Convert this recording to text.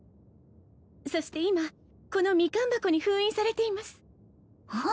そして今このミカン箱に封印されています